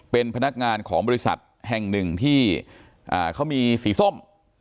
เป็นพนักงานของบริษัทแห่งหนึ่งที่เขามีสีส้ม